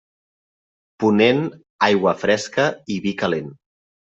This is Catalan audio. Ponent, aigua fresca i vi calent.